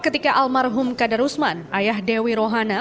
ketika almarhum kada rusman ayah dewi rohana